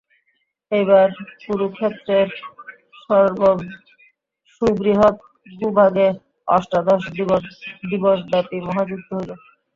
এইবার কুরুক্ষেত্রের সুবৃহৎ ভূভাগে অষ্টাদশ-দিবসব্যাপী মহাযুদ্ধ হইল।